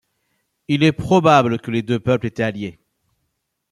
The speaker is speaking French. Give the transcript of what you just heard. Il est probable que les deux peuples étaient alliés.